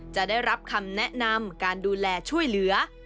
จะได้รับคำแนะนำการดูแลช่วยเหลือ